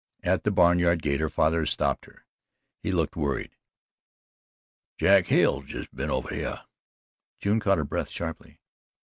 At the barnyard gate her father stopped her he looked worried. "Jack Hale's jus' been over hyeh." June caught her breath sharply.